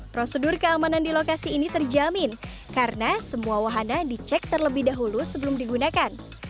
prosedur keamanan di lokasi ini terjamin karena semua wahana dicek terlebih dahulu sebelum digunakan